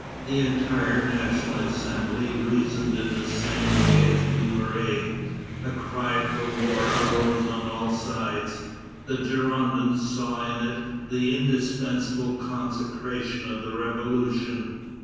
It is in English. The entire National Assembly reasoned in the same way as Dumouriez. A cry for war arose on all sides. The Girondins saw in it the indispensable consecration of the Revolution.